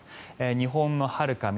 日本のはるか南